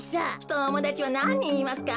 ともだちはなんにんいますか？